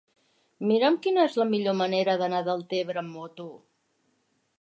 Mira'm quina és la millor manera d'anar a Deltebre amb moto.